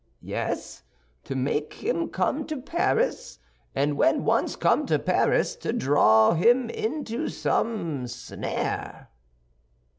"Yes, to make him come to Paris; and when once come to Paris, to draw him into some snare."